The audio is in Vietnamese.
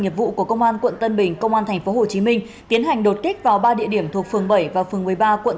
nghiệp vụ của công an tp hcm tiến hành đột kích vào ba địa điểm thuộc phường bảy và phường một mươi ba